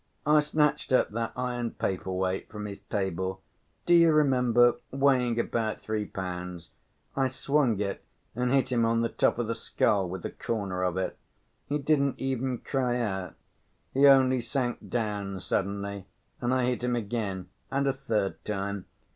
I snatched up that iron paper‐weight from his table; do you remember, weighing about three pounds? I swung it and hit him on the top of the skull with the corner of it. He didn't even cry out. He only sank down suddenly, and I hit him again and a third time.